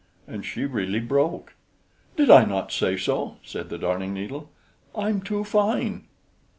And she really broke. "Did I not say so?" said the Darning needle; "I'm too fine!"